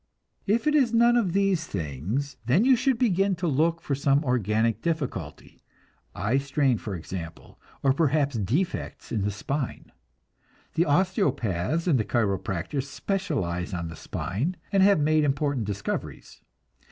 If it is none of these things, then you should begin to look for some organic difficulty, eye strain, for example, or perhaps defects in the spine. The osteopaths and the chiropractors specialize on the spine, and have made important discoveries.